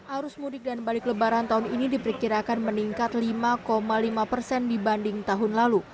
arus mudik dan balik lebaran tahun ini diperkirakan meningkat lima lima persen dibanding tahun lalu